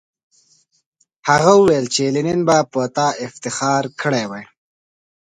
هغه وویل چې لینن به په تا افتخار کړی وای